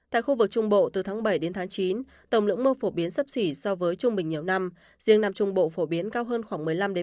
tại khu vực trung bộ từ tháng bảy đến tháng chín tổng lượng mưa phổ biến sấp xỉ so với trung bình nhiều năm riêng nam trung bộ phổ biến cao hơn khoảng một mươi năm